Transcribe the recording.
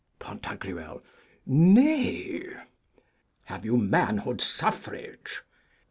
Pan.: Nay Have you manhood suffrage?